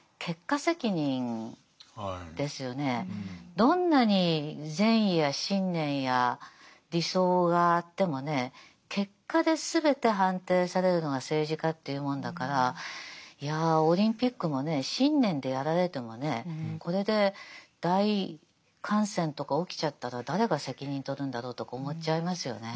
どんなに善や信念や理想があってもね結果ですべて判定されるのが政治家というものだからいやオリンピックもね信念でやられてもねこれで大感染とか起きちゃったら誰が責任取るんだろうとか思っちゃいますよね。